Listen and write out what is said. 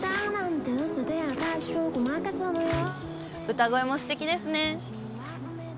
歌声もすてきですね。